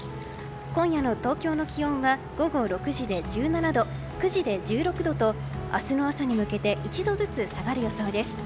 今夜の東京の気温は午後６時で１７度９時で１６度と明日の朝に向けて１度ずつ下がる予想です。